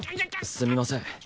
すみません